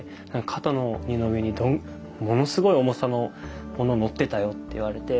肩の荷の上にものすごい重さのもののってたよって言われて。